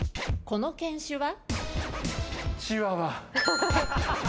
この犬種は？